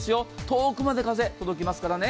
遠くまで風が届きますからね。